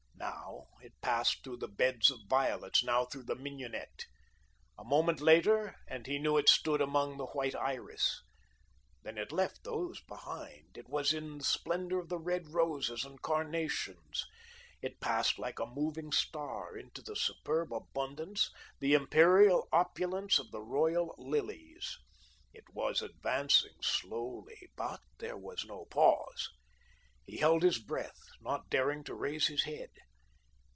Now it passed through the beds of violets, now through the mignonette. A moment later, and he knew it stood among the white iris. Then it left those behind. It was in the splendour of the red roses and carnations. It passed like a moving star into the superb abundance, the imperial opulence of the royal lilies. It was advancing slowly, but there was no pause. He held his breath, not daring to raise his head.